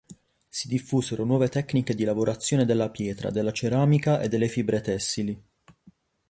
Si diffusero nuove tecniche di lavorazione della pietra, della ceramica e delle fibre tessili.